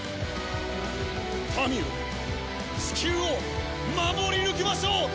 民をチキューを守り抜きましょう！